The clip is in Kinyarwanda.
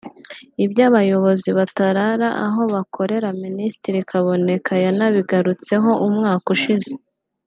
Iby’abayobozi batarara aho abakorera Minisitiri Kaboneka yanabigarutseho umwaka ushize